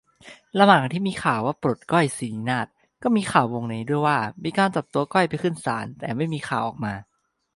ระหว่างที่มีข่าวว่าปลด ก้อย สินีนาฏ ก็มีข่าววงในด้วยว่า มีการจับตัวก้อยไปขึ้นศาล แต่ไม่มีข่าวออกมา